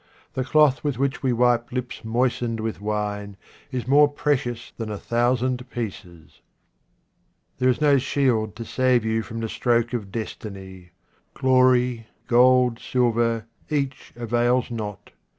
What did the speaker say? The cloth with which we wipe lips moistened with wine is more precious than a thousand pieces. There is no shield to save you from the stroke of destiny. Glory, gold, silver, each avails not.